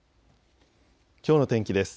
きょうの天気です。